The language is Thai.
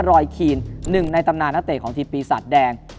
รอยคีนหนึ่งในตำนานนักเตะของทีมปีศาจแดง